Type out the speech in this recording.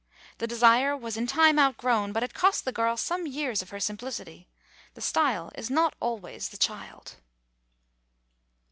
The desire was in time out grown, but it cost the girl some years of her simplicity. The style is not always the child.